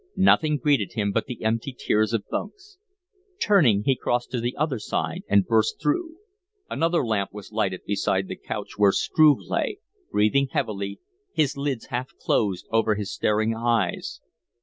Nothing greeted him but the empty tiers of bunks. Turning, he crossed to the other side and burst through. Another lamp was lighted beside the couch where Struve lay, breathing heavily, his lids half closed over his staring eyes.